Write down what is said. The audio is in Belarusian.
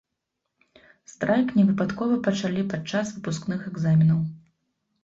Страйк не выпадкова пачалі падчас выпускных экзаменаў.